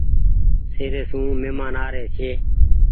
شهري سون مهمان آري ڇي۔